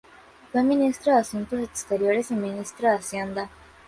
Fue Ministro de Asuntos Exteriores y ministro de Hacienda.